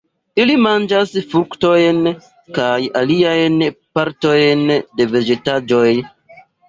Ili manĝas fruktojn kaj aliajn partojn de vegetaĵoj.